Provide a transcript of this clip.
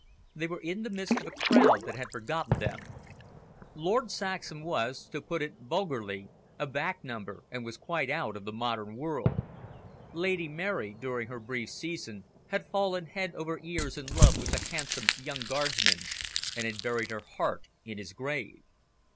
They were in the midst of a crowd that had forgotten them. Lord Saxham was, to put it vulgarly, a back number, and was quite out of the modern whirl. Lady Mary, during her brief season, had fallen head over ears in love with the handsome young Guardsman, and had buried her heart in his grave.